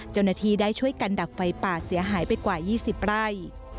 เจ้าหน้าที่ได้ช่วยกันดับไฟป่าเสียหายไปกว่า๒๐ไร่